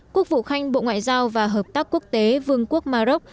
quốc vụ khanh bộ ngoại giao và hợp tác quốc tế vương quốc mà rốc